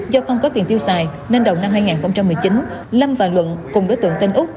do không có tiền tiêu xài nên đầu năm hai nghìn một mươi chín lâm và luận cùng đối tượng tên úc